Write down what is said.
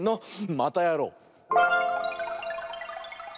またやろう！